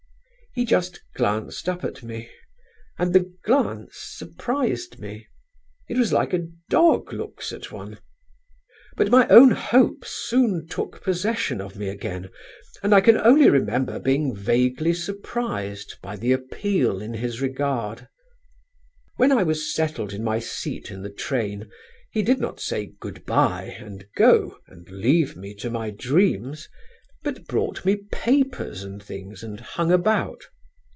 "He just glanced up at me, and the glance surprised me; it was like a dog looks at one. But my own hopes soon took possession of me again, and I can only remember being vaguely surprised by the appeal in his regard. "When I was settled in my seat in the train, he did not say 'goodbye' and go, and leave me to my dreams; but brought me papers and things and hung about.